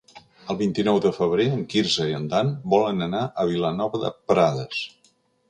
El vint-i-nou de febrer en Quirze i en Dan volen anar a Vilanova de Prades.